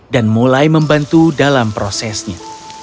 dan mulai membantu dalam prosesnya